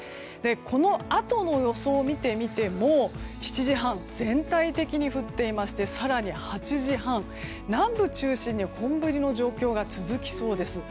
このあとの予想を見てみても７時半、全体的に降っていまして更に８時半、南部中心に本降りの状況が続きそうです。